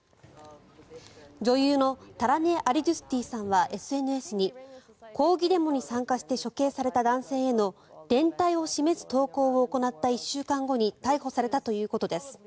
女優のタラネ・アリドゥスティさんはＳＮＳに抗議デモに参加して処刑された男性への連帯を示す投稿を行った１週間後に逮捕されたということです。